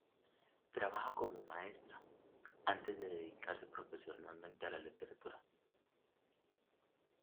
Trabajó como maestra, antes de dedicarse profesionalmente a la literatura.